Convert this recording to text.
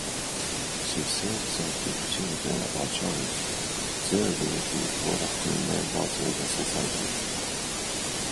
She said that if children are challenged, they will be productive members of society.